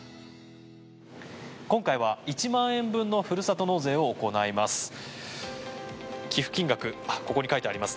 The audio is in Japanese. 今回は１万円分のふるさと納税を行います。